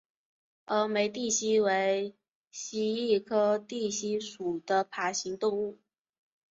峨眉地蜥为蜥蜴科地蜥属的爬行动物。